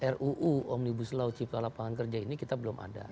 ruu omnibus law cipta lapangan kerja ini kita belum ada